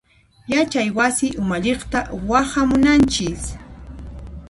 Yachay wasi umalliqta waqhamunanchis.